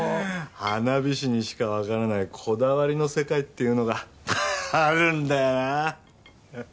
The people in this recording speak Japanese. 花火師にしかわからないこだわりの世界っていうのがあるんだよな！